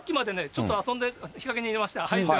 ちょっと遊んで日陰にいました。